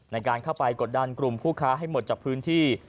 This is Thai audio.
ในการเข้าไปกดดันกลุ่มผู้ค้าให้หมดจากพื้นที่